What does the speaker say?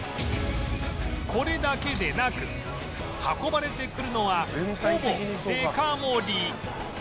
これだけでなく運ばれてくるのはほぼデカ盛り